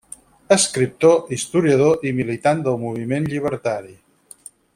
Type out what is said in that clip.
Escriptor, historiador i militant del moviment llibertari.